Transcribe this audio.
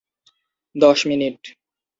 দশ মিনিট।